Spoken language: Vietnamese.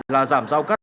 là giảm giao cắt